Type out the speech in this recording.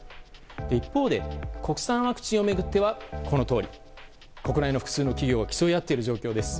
一方、国産ワクチンを巡っては国内の複数の企業が競い合っている状況です。